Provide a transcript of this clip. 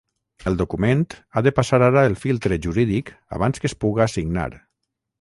El document ha de passar ara el filtre jurídic abans que es puga signar.